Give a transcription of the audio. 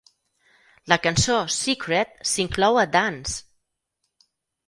La cançó Secret s'inclou a Dance!